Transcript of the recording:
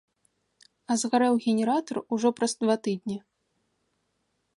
А згарэў генератар ужо праз два тыдні.